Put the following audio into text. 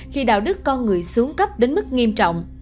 khi đạo đức con người xuống cấp đến mức nghiêm trọng